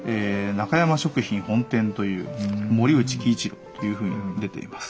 「中山食品本店」という「森内喜一郎」というふうに出ています。